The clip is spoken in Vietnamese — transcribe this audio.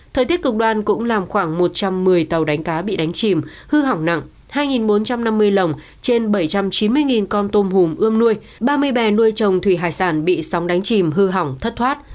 thời tiết cực đoan cũng làm khoảng một trăm một mươi tàu đánh cá bị đánh chìm hư hỏng nặng hai bốn trăm năm mươi lồng trên bảy trăm chín mươi con tôm hùm ươm nuôi ba mươi bè nuôi trồng thủy hải sản bị sóng đánh chìm hư hỏng thất thoát